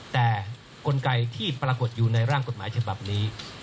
แต่กลไกที่ปรากฏอยู่ในร่างกฎหมายฉบับนี้